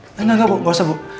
enggak enggak bu gak usah bu